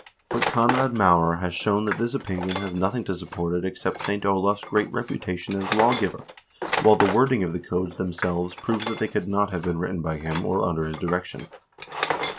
1 But Konrad Maurer has shown that this opinion has nothing to support it except St. Olav's great reputation as lawgiver, while the wording of the codes themselves proves that they could not have been written by him or under his direction.